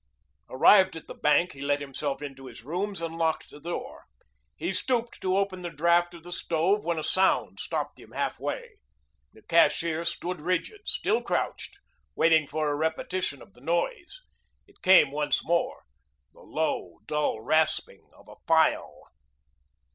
Arrived at the bank, he let himself into his rooms and locked the door. He stooped to open the draft of the stove when a sound stopped him halfway. The cashier stood rigid, still crouched, waiting for a repetition of the noise. It came once more the low, dull rasping of a file.